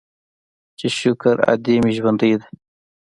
چې شکر ادې مې ژوندۍ ده.